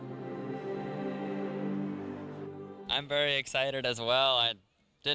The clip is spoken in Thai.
โดยเป็นชาวอเมริกันใส่เหมือนหมด